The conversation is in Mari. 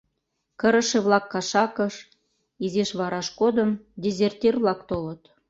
Кырыше-влак кашакыш, изиш вараш кодын, дезертир-влак толыт.